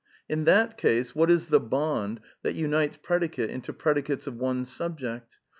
.; in that case, what is the bond that unites predicates into predicates of one subject!